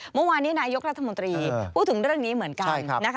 เมื่อวานนี้นายกรัฐมนตรีพูดถึงเรื่องนี้เหมือนกัน